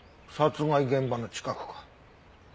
殺害現場の近くか。